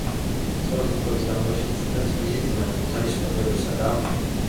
სხვადასხვა წლების განმავლობაში წვრთნიდა თბილისის „დინამოს“, ქუთაისის „ტორპედოსა“ და „ზესტაფონს“.